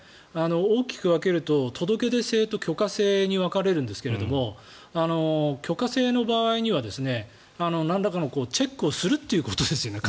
大きく分けると届出制と許可制に分かれるんですけど許可制の場合にはなんらかのチェックをするということですよね